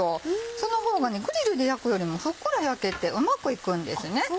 その方がグリルで焼くよりもふっくら焼けてうまくいくんですね。